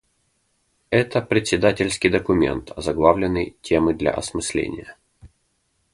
Это председательский документ, озаглавленный "Темы для осмысления".